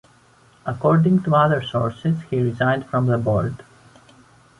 According to other sources he resigned from the board.